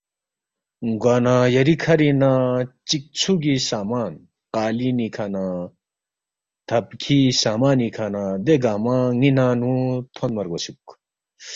گوانہ یری کَھرِنگ نہ چِک ژُھوگی سامان قالینی کھہ نہ تھبکھی سامانی کھہ نہ دے گنگمہ ن٘ی ننگ نُو تھونما رگوسُوک